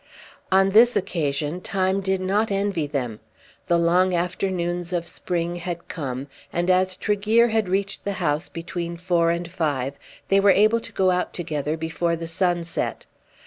On this occasion time did not envy them. The long afternoons of spring had come, and as Tregear had reached the house between four and five they were able to go out together before the sun set.